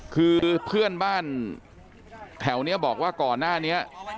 คือเพื่อนบ้านแถวนี้บอกว่าก่อนหน้านี้